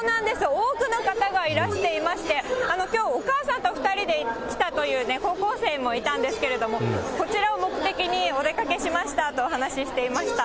多くの方がいらしていまして、きょう、お母さんと２人で来たという高校生もいたんですけど、こちらを目的にお出かけしましたとお話していました。